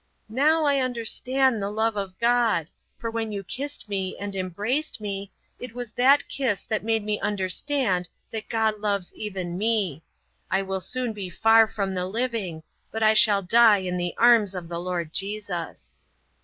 "Now I understand the love of God, for when you kissed me and embraced me, it was that kiss that made me understand that God loves even me. I will soon be far from the living, but I shall die in the arms of the Lord Jesus."